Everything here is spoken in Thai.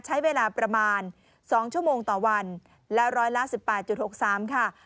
ใช้เวลาประมาณสองชั่วโมงต่อวันแล้วร้อยละสิบแปดจุดหกสามค่ะ